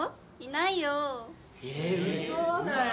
え嘘だよ。